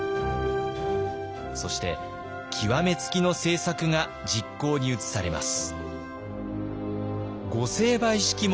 そして極め付きの政策が実行に移されます。